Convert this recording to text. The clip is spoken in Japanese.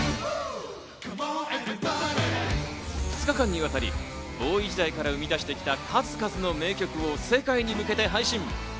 ２日間にわたりＢＯＯＷＹ時代から生み出してきた数々の名曲を世界に向けて配信。